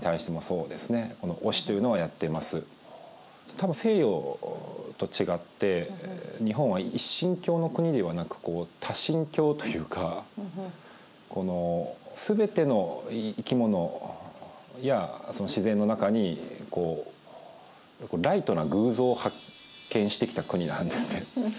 たぶん西洋と違って日本は一神教の国ではなく多神教というかすべての生き物やその自然の中にライトな偶像を発見してきた国なんですね。